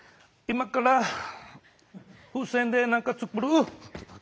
今から風船で何か作る。